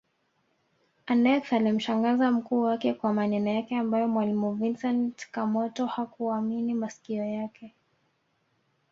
Aneth alimshangaza mkuu wake kwa maneno yake ambayo mwalimu Vincent Kamoto hakuamini masikio yake